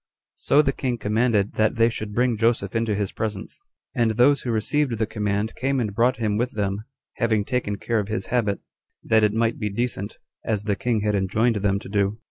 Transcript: So the king commanded that they should bring Joseph into his presence; and those who received the command came and brought him with them, having taken care of his habit, that it might be decent, as the king had enjoined them to do.